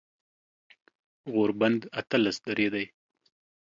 غوربند اتلس درې دی